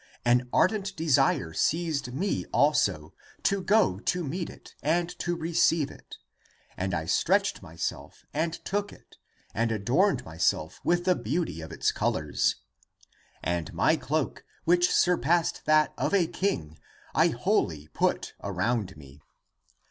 An ardent desire seized me also To go to meet it and to receive it, And I stretched myself and took it. And adorned myself with the beauty of its colors, And my cloak, which surpassed that of a king, I wholly put around me.